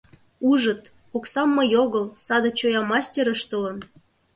Ужыт, оксам мый огыл, саде чоя мастер ыштылын.